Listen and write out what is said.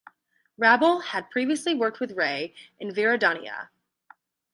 Rabal had previously worked with Rey in "Viridiana".